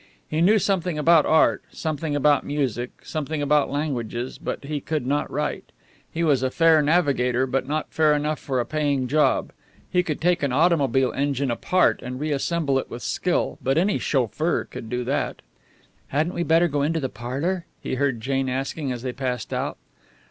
He knew something about art, something about music, something about languages; but he could not write. He was a fair navigator, but not fair enough for a paying job. He could take an automobile engine apart and reassemble it with skill, but any chauffeur could do that. "Hadn't we better go into the parlour?" he heard Jane asking as they passed out.